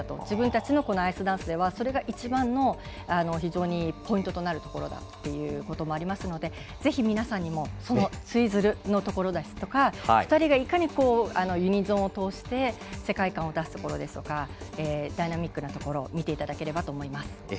自分たちのアイスダンスではそれが一番の非常にポイントとなるところだということもありますのでぜひ皆さんにもツイズルのところですとか２人が、いかにユニゾンを通して世界観を出すところですとかダイナミックなところを見ていただければと思います。